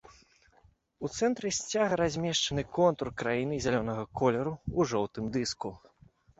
У цэнтры сцяга размешчаны контур краіны зялёнага колеру ў жоўтым дыску.